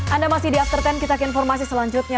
anda masih di after sepuluh kita ke informasi selanjutnya